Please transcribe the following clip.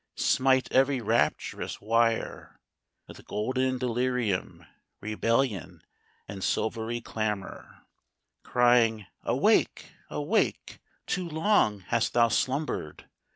Smite every rapturous wire With golden delirium, rebellion and silvery clamor, Crying "Awake! awake! Too long hast thou slumbered!